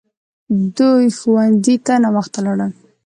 دوی ښوونځي ته ناوخته لاړل!